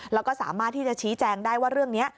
แล้วก็สามารถที่จะชี้แจงได้ว่าเรื่องนี้